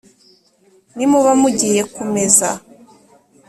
nimuba mugiye kumeza